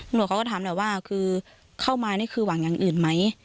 เขาก็ถามหน่อยว่าคือเข้ามานี่คือหวังอย่างอื่นไหม